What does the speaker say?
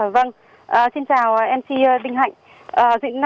vâng xin chào mc đinh hạnh